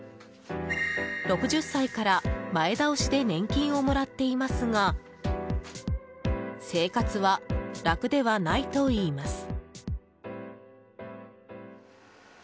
６０歳から前倒しで年金をもらっていますが生活は楽ではないといいます。